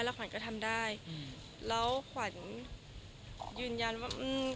แล้วขวัญก็ทำได้แล้วขวัญยืนยันว่า